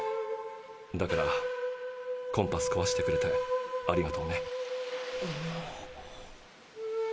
だからコンパスこわしてくれてありがとうね。